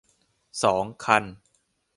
สอง คัน